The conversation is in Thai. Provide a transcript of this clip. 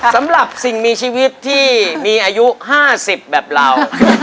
สำหรับสิ่งมีชีวิตที่มีอายุ๕๐แบบเรา